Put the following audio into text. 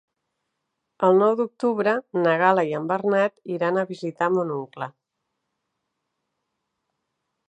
El nou d'octubre na Gal·la i en Bernat iran a visitar mon oncle.